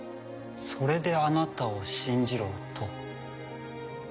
それであなたを信じろと？